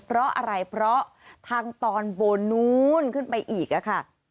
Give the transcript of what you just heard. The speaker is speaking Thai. เพราะอะไรเพราะทางตอนบนนู้นขึ้นไปอีกค่ะ